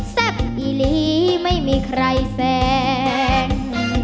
แซ่บอีหลีไม่มีใครแฟน